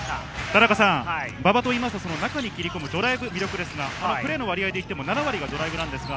田中さん、馬場というと中に切り込むドライブが魅力ですが、プレーの割合でいっても７割がドライブです。